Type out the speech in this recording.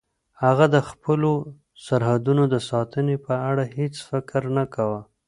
هغه د خپلو سرحدونو د ساتنې په اړه هیڅ فکر نه کاوه.